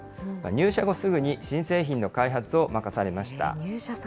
入社後、すぐに新製品の開発を任されました。